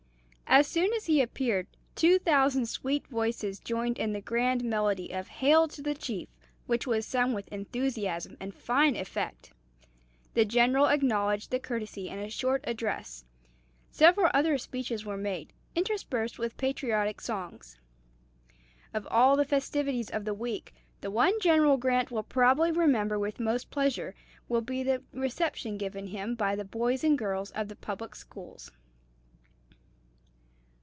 As soon as he appeared, two thousand sweet voices joined in the grand melody of "Hail to the Chief!" which was sung with enthusiasm and fine effect. The General acknowledged the courtesy in a short address. Several other speeches were made, interspersed with patriotic songs. Of all the festivities of the week, the one General Grant will probably remember with most pleasure will be the reception given him by the boys and girls of the public schools.